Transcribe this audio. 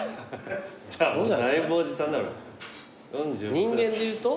人間でいうと？